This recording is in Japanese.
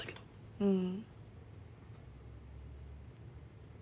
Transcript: うん。